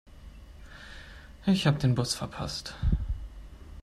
Ich habe den Bus verpasst.